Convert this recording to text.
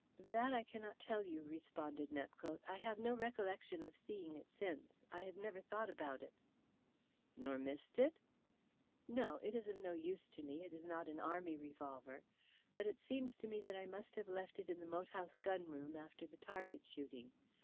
"That I cannot tell you," responded Nepcote. "I have no recollection of seeing it since. I have never thought about it." "Nor missed it?" "No. It is no use to me it is not an Army revolver. But it seems to me that I must have left it in the moat house gun room after the target shooting.